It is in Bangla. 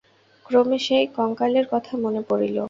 ক্রমে সেই কঙ্কালের কথা মনে পড়িল।